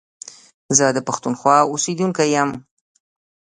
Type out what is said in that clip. زه د پښتونخوا اوسېدونکی يم